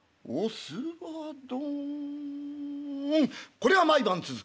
これが毎晩続く。